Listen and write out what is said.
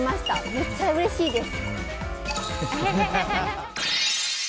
めっちゃうれしいです。